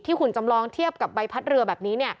หุ่นจำลองเทียบกับใบพัดเรือแบบนี้